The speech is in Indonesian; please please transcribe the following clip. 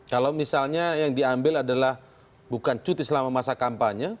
kalau misalnya yang diambil adalah bukan cuti selama masa kampanye